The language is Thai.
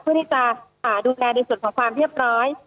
เพื่อที่จะดูแลในส่วนของความเรียบร้อย